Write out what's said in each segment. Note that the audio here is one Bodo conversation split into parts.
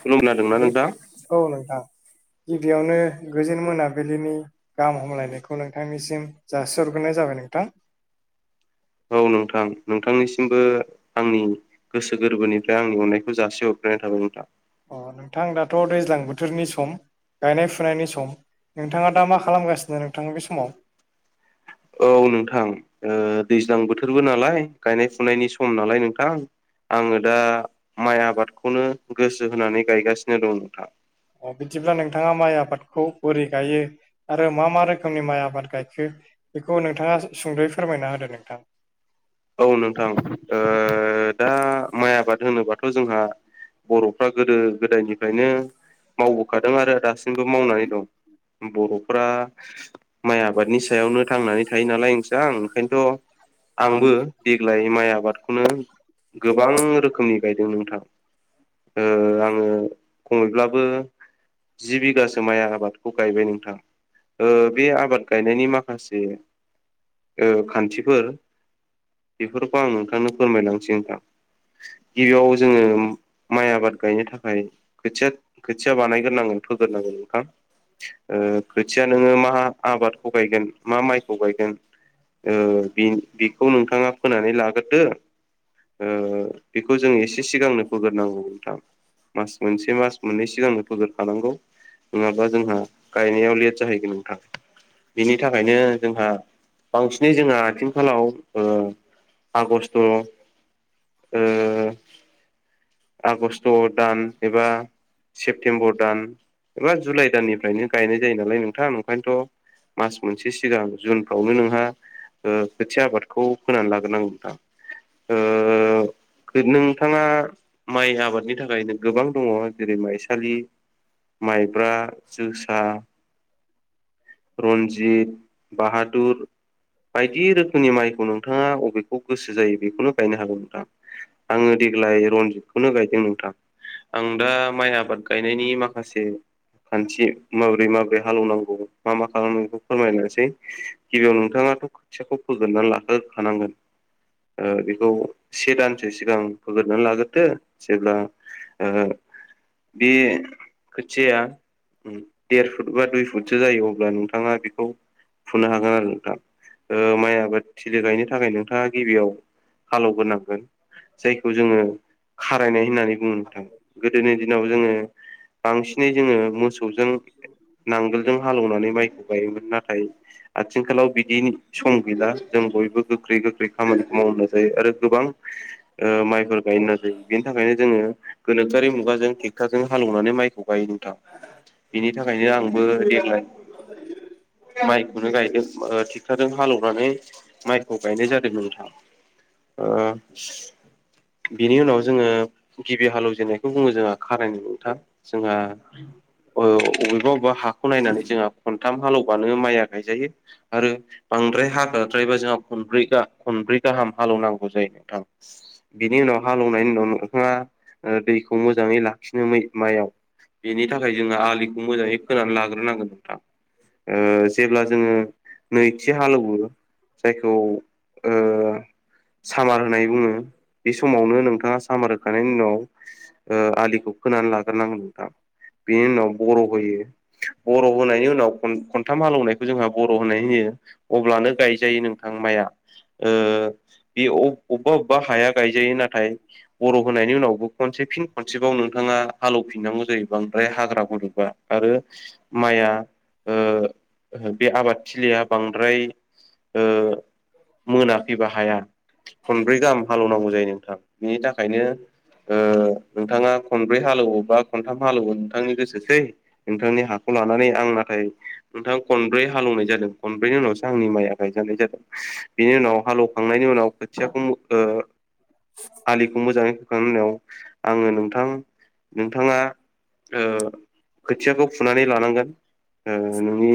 खोनादोंना बे नोंथां औ नोंथां गिबियावनो गोजोन मोनाबिलिनि गाहाम हामलायनायखौ नोंथांनिसिम जासिहरग्रोनाय जाबाय नोंथां। औ नोंथां नोंथांनिसिमबो आंनि गोसो गोरबोनिफ्राय आंनि अननायखौ जासि हरग्रोनायनाय थाबाय नोंथां। अ नोंथां दाथ' दैज्लां बोथोरनि सम गायनाय फुनायनि सम नोंथाङा दा मा खालामगासिनो नोंथाङा बे समाव औ नोंथां दैज्लां बोथोरबो नालाय गायनाय फुनायनि सम नालाय नोंथां आङो दा माइ आबादखौनो गोसो होनानै गायगासिनो दं नोंथां अ बिदिब्ला नोंथाङा माइ आबादखौ बोरै गायो आरो मा मा रोखोमनि माइ आबाद गायखो। बेखौ नोंथाङा सुंद'यै फोरमायना होदो नोंथाङा। औ नोंथां दा माइ आबाद होनोबाथ' जोंहा बर'फ्रा गोदो गोदायनिफ्रायनो मावबोखादों आरो दासिमबो मावनानै दं बर'फ्रा माइ आबादनि सायावनो थांनानै थायो नालाय नोंथां ओंखायनोथ' आंबो देग्लाय माइ आबादखौनो गोबां गोबां रोखोमनि गायदों नोंथां ओ आङो खमैब्लाबो जि बिघासो माइ आबादखौ गायबाय नोंथां ओ बे आबाद गाय नायनि माखासे ओ खान्थिफोर बेफोरखौ आं नोंथांनो फोरमायलांनोसै नोंथां गिबियाव जोंङो माइ आबाद गायनो थाखाय खोथिया खोथिया बानायग्रोनांगौ फोग्रोनांगौ नोंथां ओ खोथिया नोङो मा आबादखौ गायगोन मा माइखौ गायगोन ओ बि बेखौ नोंथाङा फोनानै लाग्रोदो आ बेखौ जों एसे सिगांनो फोग्रोनांगौ नोंथां मास मोनसे मास मोननै सिगांनो फोग्रोखानांगौ। नङाबा जोंहा गायनायाव लेट जाहैगोन नोंथां। बिनि थाखायनो जोंहा बांसिनै जोंहा आथिंखालाव आ आगष्ट' ओ आगस्ट दान एबा सेप्तेम्बर दान एबा जुलाइ दाननिफ्रायनो गायनाय जायो नालाय नोंथां ओंखायनोथ' मास मोनसे सिगां जुनफ्रावनो नोंहा आ खोथिया आबादखौ फोनानै लाग्रोनांगौ नोंथां। आ खै नोंथाङा माइ आबादनि थाखायनो गोबां दङ जेरै माइसालि माइब्रा जोसा रन्जित बाहादुर बायदि रोखोमनि माइखौ नोंथाङा अबेखौ गोसो जायो बेखौनो गायनो हागोन नोंथां। आङो देग्लाय रनजितखौनो गायदों नोंथां। आं दा माइ आबाद गायनायनि माखासे खान्थि माब्रै माब ब्रै हालेवनांगौ मा मा खालामनांगौ फोरमायनोसै गिबियाव नोंथाङाथ' खोथियाखौ फोग्रोनना लाहो खानांगोन आ बेखौ से दानसो सिगां फोग्रोनानै लाग्रोदो जेब्ला आ बे खोथिया उम देर फुट बा दुइ फुटसो जायो अब्ला नोंथाङा बेखौ फुनो हागोन आरो नोंथां आ माइ आबाद थिलि गायनो थाखाय नोंथाङा गिबियाव हालौग्रोनांगोन जायखौ जोङो खारायनाय होननानै बुङो नोंथां गोदोनि दिनाव जोङो बांसिनै जोङो मोसौजों नांगोलजों हालौनानै माइखौ गायोमोन नाथाय आथिंखालाव बिदि सम गैला जों बयबो गोख्रै गोख्रै खामानिखौ मावनो नाजायो आरो गोबां आ माइफोर गायनो नाजायो। बेनि थाखायनो जोङो गोनोखोआरि मुगाजों ट्रेक्टरजों हालौनानै माइखौ गायो नोंथां। बिनि थाखायनो आंबो देग्लाय माइखौनो गायदों आ ट्रेक्टरजों हालौनानै माइखौ गायनाय जादों नोंथां आ बिनि उनाव जोङो गिबि हालेवजेननायखौ बुङो जोंहा खारायनाय नोंथां जोंहा ओ अबेबा अबेबा हाखौ नायनानै जोंहा खनथाम हालौबानो माइया गायजायो। आरो बांद्राय हाग्राद्रायबा जोंहा खनब्रै गा खनब्रै गाहाम हालौनांगौ जायो नोंथां। बिनि उनाव हालेवनायनि उनाव नोंथाङा आ दैखौ मोजाङै ला खिनो नै माइयाव बेनि थाखाय जोङो आलिखौ मोजाङै खोनानै लाग्रोनांगौ नोंथां। आ जेब्ला जोङो नैथि हालौवो जायखौ ओ सामार होनाय बुङो बे समावनो नोंथाङा सामार होखांनायनायनि उनाव आ आलिखौ खोनानै लाग्रोनांगोन नोंथां बेनि उनाव बर'ब होयो। बर' होनायनि उनाव खन-खनथाम हालौनायखौ जोंहा बर' होनाय होयो। अब्लानो गायजायो नोंथां माइआ। आ बे अब अबेबा अबेबा हाया गायजायो नाथाय बर' होनायनि उनावबो खनसे फिन खनसेबाव नोंथाङा हालौफिनांगौ जायो बांद्राय हाग्रा गुुरुबा आरो माइआ ओ बे आबादथिलिया बांद्राय ओ मोनाफैबा हाया खनब्रै गाहाम हालेवनांगौ जायो नोंथां बिनि थाखायनो ओ नोंथाङा खनब्रै हालेवो बा खनथाम हालेवो नोंथांनि गोसोसै नोंथांनि हाखौ लानानै आं नाथाय नोंथां खनब्रै हालेवनाय जादों खनब्रैनि उनावसो आंनि माइया गायजानाय जादों बेनि उनाव हालौ खांनायनि उनाव खोथियाखौ ओ आलि मोजाङै होखांनो होननायाव आङो नोंथां नोंथाङा ओ खोथियाखौ फुनानै लानांगोन ओ नोंनि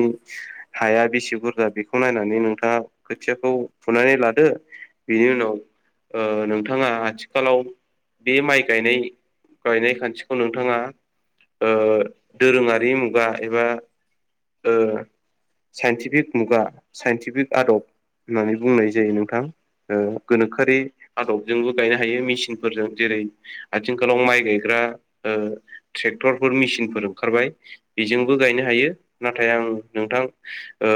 हाया बेसे बुरजा बेखौ नायनानै नोंथाङा खोथियाखौ फुनानै लादो बेनि उनाव ओ नोंथाङा आथि खालाव बे माइ गायनाय गायनाय खान्थिखौ नोंथाङा ओ दोरोङारि मुगा एबा ओ साइन्टिफिक मुगा साइन्टिफिक आदब होननानै बुंनाय जायो नोंथां ओ गोनोखोआरि आदबजोंबो गायनो हायो मेसिनफोरजों जेरै आथिखालाव माइ गायग्रा ओ ट्रेक्टरफोर मेसिनफोर ओंखारबाय बेजोंबो गायनो हायो नाथाय आं नोंथां ओ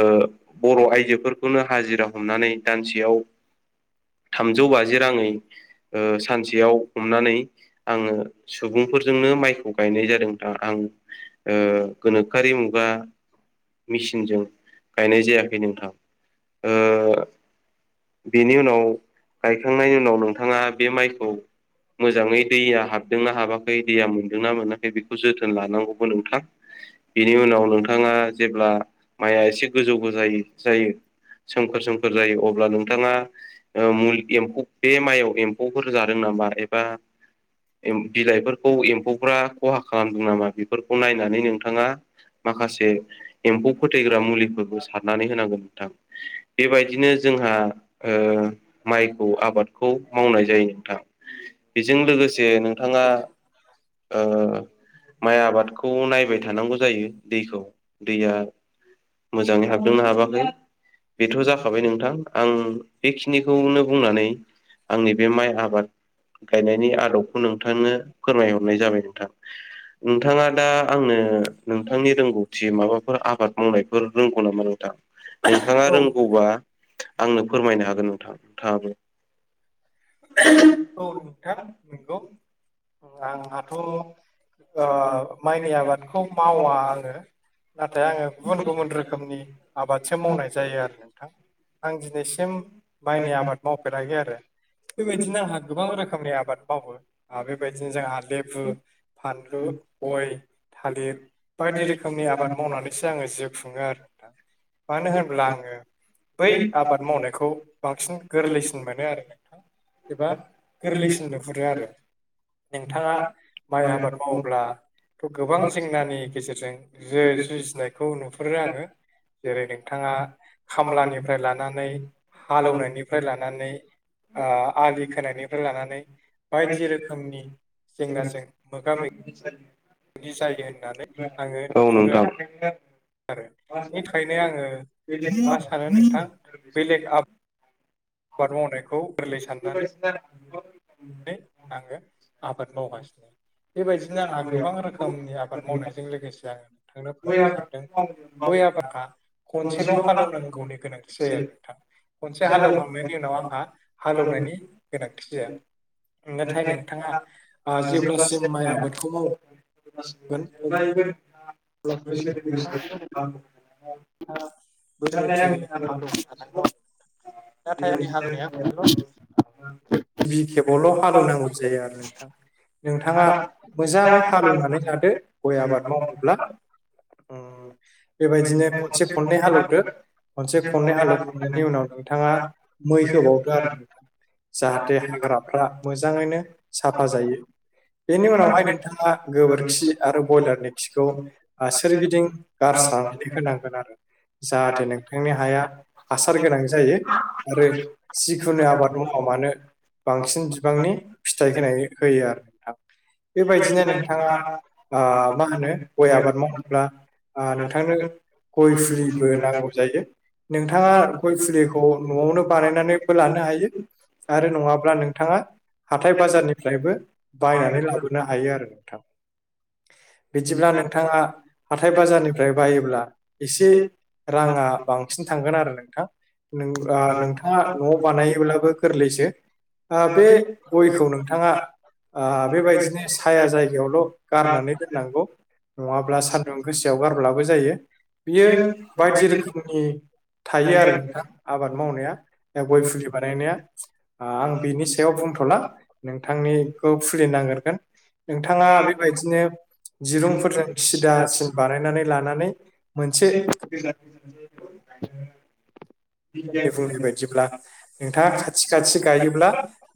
बर' आइजोफोरखौनो हाजिरा हमनानै दानसेयाव थामजौ बाजि राङै ओ सानसेयाव हमनानै आङो सुबुंफोरजोंनो माइखौ गायनाय जादों दा आं ओ गोनोखोआरि मुगा मेसिनजों गायनाय जायाखै नोंथां ओ बेनि उनाव गायखांनायनि उनाव नोंथाङा बे माइखौ मोजाङै दैया हाब दोंना हाबाखै दैया मोनदोंना मोनाखै बेखौ जोथोन लानांगौबो नोंथां। बेनि उनाव नोंथाङा जेब्ला माइआ एसे गोजौबो जायो जायो सोमखोर सोमखोर जायो अब्ला नों थाङा मुलि एम्फौ बे माइयाव एम्फौफोर जादों नामा एबा एम बिलाइफोरखौ एम्फौफ्रा खहा खालामदों नामा बेफोरखौ नायनानै नोंथाङा माखासे एम्फौ फोथैग्रा मुलिफोरखौ सारनानै होनांगोन नोंथां बेबायदिनो जोंहा ओ माइखौ आबादखौ मावनाय जायो नोंथां बेजों लोगोसे नों थाङा ओ माइ आबादखौ नायबाय थानांगौ जायो दैखौ दैया मोजाङै हाबदों ना हाबाखै बेथ' जाखाबाय नोंथां आं बेखिनिखौनो बुंनानै आंनि बे माइ आबाद गायनायनि आदब नोंथांनो फोरमायहरनाय जाबाय नोंथां। नोंथाङा दा आंनो नोंथांनि रोंगौथि माबाफोर आबाद मावनायफोर रोंगौ नामा नोंथां? नोंथाङा औ रोंगौबा आंनो फोरमायनो हागोन नोंथां नोंथाङाबो। औ नोंथां नंगौ। आंहाथ' अ माइनि आबादखौ मावा आङो। नाथाय आङो गुबुन गुबुन रोखोमनि आबादसो मावनाय जायो आरो नोंथां। आं दिनैसिम माइनि आबाद मावफेराखै आरो। बेबायदिनो आंहा गोबां रोखोमनि आबाद मावो बेबायदिनो जोंहा लेबु फानलु गय थालिर बायदि रोखोमनि आबाद मावनानैसो आङो जिउ खुङो आरो नोंथां। मानो होनब्ला आङो बै आबाद मावनायखौ बांसिन गोरलैसिन मोनो आरो एबा गोरलैसिन नुहुरो आरो। नोंथाङा माइ आबाद मावोब्ला थ' गोबां जेंनानि गेजेरजों जु जुजिनायखौ नुहुरो आङो। जेरै नोंथाङा खामलानिफ्राय लानानै हालेवनायनिफ्राय लानानै आलि खोनायनिफ्राय लानानै बायदि रोखोमनि जेंनाजों मोगा मो [inaudible] जायो होननानै आङो नुहुरो [inaudible] आरो बेनिखायनो आङो मा सानो नोंथां बेलेग आब बाद मावनायखौ गोरलै साननानै [inaudible] आङो आबाद मावगासिनो बेबायदिनो आंहा गोबां रोखोमनि आबाद मावनायजों लोगोसे आङो नोंथांनो फरायनो सानदों ग आबारा खनसेल' हालेवनांगौनि गोनांथि जायो आरो नोंथांा खनसे हालेवखांनायनि उनाव आंहा हालेवनायनि गोनांथि जाया नाथाय नोंथाङा नथाय ओ जेब्लासिम माइ आबादखौ नोंथाङा मावगोन जेब्ला गोस गो बाल दा थनि हालनि बि खेबावल' हालेवनांगौ जायो आरो नोंथां नोंथाङा मोजाङै हालेवनानै जादो गय आबाद मावनोब्ला औ उम बेबायदिनो खनसे खननै हालेवदो खनसे खननै आलु खननायनि उनाव नोंथाङा मै होबावदो आरो नोंथां जाहाथे हाग्राफ्रा मोजाङैनो साफा जायो बेनि उनावहाय नोंथाङा गोबोरखि आरो ब्रयलारनि खिखौ सोरगिदिं गारसां बे होनांगोन आरो जाहाथे नोंथांनि हाया हासार गोनां जायो आरो जिखुनु आबाद माव मानो बांसिन बिबांनि फिथाइ होनाय होयो आरो नोंथां बेबायदिनो नोंथाङा मा होनो गय आबाद माव ्ला नोंथांनो गय फुलि बो नांगौ जायो नोंथाङा गय फुलिखौ न'आवनो बानायनानैबो लानो हायो आरो नङाब्ला नोंथाङा हाथथाय बाजारनिफ्रायबो बायनानै लाबोनो हायो आरो नोंथांा बि आ हाथाय बाजारनिफ्राय बायोब्ला एसे राङा बां बांसिन थांगोन आरो नोंथां नोंथाङा न'आव बानायोबब्लाबो गोरलैसो बे गयखौ नोंथाङा बेबायदिनो साया जायगायावल' गारनानै दोननांगौ नङाब्ला सान्दुं गोसायाव गारब्लाबो जायो बियो बायदि रोखोमनि थायो आरो नोंथां आबाद मावनायाा गय फुलि बानायनाया आं बिनि सायाव बुंथ'ला नोंथांनिखौ खुलि नागिरगोन नोंथाङा बेबायदिनो जिरुं फोरजों सिदासिन बानायनानै लानानै मोनसे [unintelligible] नि बुंनाय बायदिब्ला नोंथाङा खाथि खाथि गायोब्ला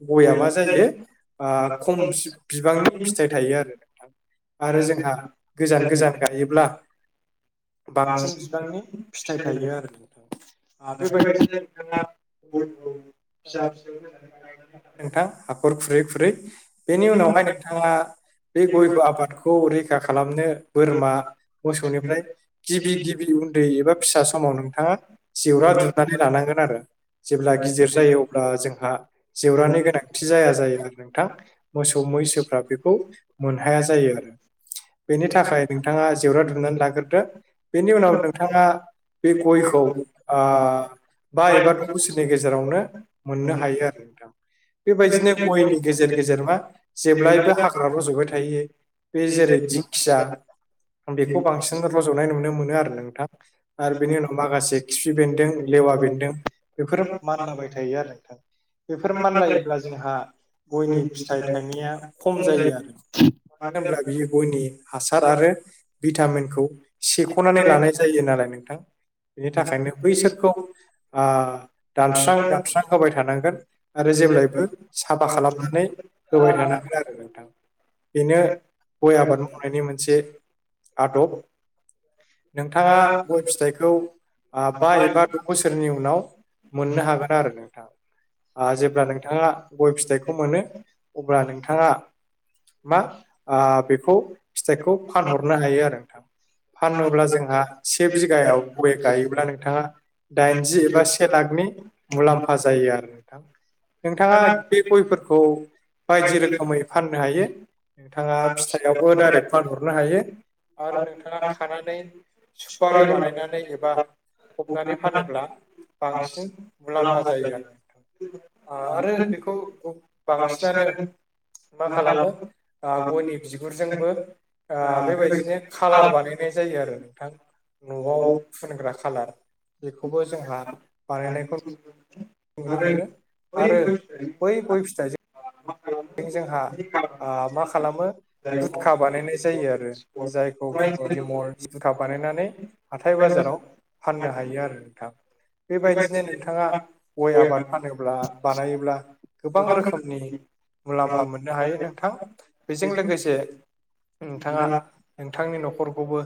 गया मा जायो खम बिबांनि फिथाइ थायो आरो नोंथां आरो जोंहा गोजान गोजान गायोब्ला बांसिन बिबांनि फिथाइ थायो आरो नोंथांा बेबायदिनो नोंथाङा बेबायदिनो फिसा फिसौ फिसौनो गायनानै जानाय लादों नोंथां हाखर खुरै खुरै बेनि उनावहाय नोंथाङा बे गयखौ आबादखौ रैखा खालामनो बोरमा मोसौनिफ्राय गिबि गिबि उन्दै एबा फिसा समाव नोंथाङा जेवरा दुनानै लानांगोन आरो जेब्ला गिदिर जायो अब्ला जोंहा जेरानि गोनांथि जाया जायो आरो नोंथां मोसौ मैसोफ्रा बेखौ मोन हाया जायो आरो बेनि थाखाय नोंथाङा जेरा दुं लाग्रोदों बेनि उनाव नोंथाङा बे गयखौ ब बा एबा दु बोसोरनि गेजेरावनो मोननो हायो आरो नोंथां बेबायदिनो गयनि गेजेर गेजेर मा जेब्लायबो हाग्रा रज'बाय थायो बे जेरै जखिसा आं बेखौ बांसिन रज'नाय नुनो मोनो आरो नोंथां आरो बेनि उनाव माखासे खुसि बेन्दों लेवा बेन्दों बेफोर मानलाबाय थायो आरो नोंथां बेफोर मानलायो अब्ला जोंहा गयनि फिथाइ थाइनाया खम जायो आरो होनब्ला बियो गयनि हासार आरो भेटामिनखौ सेख'नानै लानाय जायो नालाय नोंथां [inaudible] बेनि थाखायनो बैसोरखौ ओ दानस्रां दानस्रां होबाय थानांगोन आरो जेब्लाय बो साफा खालामनानै होबाय थानांगोन आरो नोंथां बेनो गय आबाद मावनायनि मोनसे आदब नोंथांआ गय फिथाइखौ बा एबा द' बोसोरनि उनाव मोननो हागोन आरो नोंथां ओ जेब्ला नोंथांआ गय फिथाइखौ मोनो अब्ला नोंथांआ मा ओ बेखौ फिथाइखौ फानहरनो हायो आरो नोंथां फानोब्ला जोंहा से बिघाआव गय गायोब्ला नोंथांआ दाइनजि एबा से लाखनि मुलाम्फा जायो आरो नोंथां नोंथांआ बे गयफोरखौ बायदि रोखोमै फाननो हायो नोंथांआ फिथाइआवबो दाइरेक फानहरनो हायो आरो नोंथांआ खानानै सुफारि बानायनानै एबा फबनानै फानोब्ला बांसिन मुलाम्फा जायो आरो ओ आरो बेखौ बांसिनानो मा खालामो ओ गयनि बिगुरजोंबो ओ बेबायदिनो खाालार बानायनाय जायो आरो नोंथां न'आव फुनग्रा खालार बेखौबो जोंहा बानायनायखौ नुनो मोनो नुनो मोनो आरो बै गय फिथाइ जोंहा ओ मा खालामो बुटका बानायनाय जायो आरो जायखौ बिमल जिंखाब बानायनानै हाथाय बाजाराव फाननो हायो आरो नोंथां बेबायदिनो नोंथांआ गय आबाद फानोब्ला बानायोब्ला गोबां रोखोमनि मुलाम्फा मोननो हायो नोंथां बेजों लोगोसे नोंथांआ नोंथांनि न'ख'रखौबो